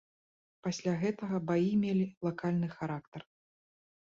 Пасля гэтага баі мелі лакальны характар.